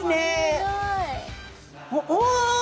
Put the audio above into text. すごい！お！